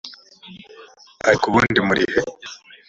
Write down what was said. ariko ubundi murihe